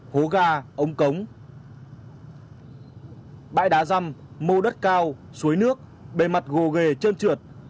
hố ga ống cống bãi đá răm mô đất cao suối nước bề mặt gồ gề chơn trượt